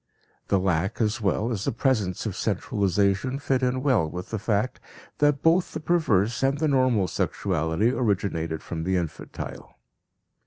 The lack as well as the presence of centralization fit in well with the fact that both the perverse and the normal sexuality originated from the infantile.